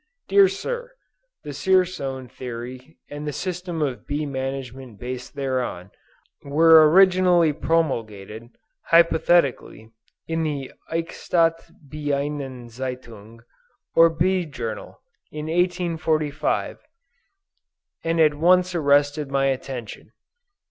DEAR SIR, The Dzierzon theory and the system of bee management based thereon, were originally promulgated, hypothetically, in the "Eichstadt Bienenzeitung" or Bee journal, in 1845, and at once arrested my attention.